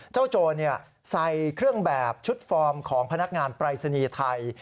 โจรใส่เครื่องแบบชุดฟอร์มของพนักงานปรายศนีย์ไทย